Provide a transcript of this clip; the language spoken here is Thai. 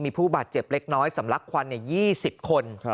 มีผู้บาดเจ็บเล็กน้อยสำลักควัน๒๐คน